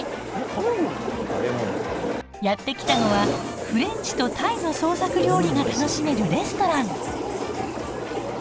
やって来たのはフレンチとタイの創作料理が楽しめるレストラン。